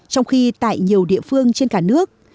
trong khi tại nhiều địa phương trên cả nước